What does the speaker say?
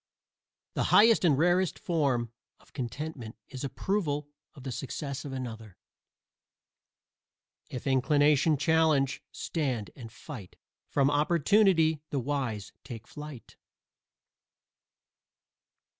The highest and rarest form of contentment is approval of the success of another. If Inclination challenge, stand and fight From Opportunity the wise take flight.